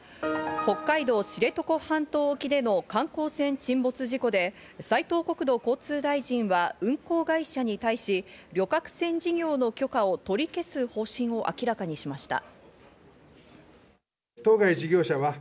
北海道知床半島沖での観光船沈没事故で、斉藤国土交通大臣は運航会社に対し旅客船事業の許可を取り消す方針を明らかにしました。